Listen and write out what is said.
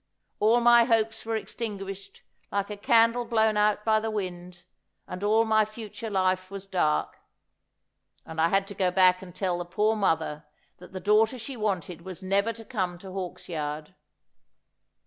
All my hopes were extinguished like a candle blown out by the wind, and all my future life was dark. And I had to go back and tell the poor mother that the daughter she wanted was never to come to Hawksyard.'